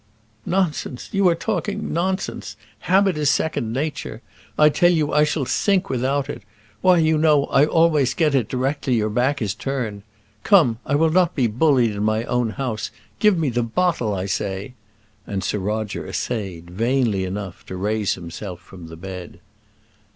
"Nonsense! You are talking nonsense; habit is second nature. I tell you I shall sink without it. Why, you know I always get it directly your back is turned. Come, I will not be bullied in my own house; give me that bottle, I say!" and Sir Roger essayed, vainly enough, to raise himself from the bed.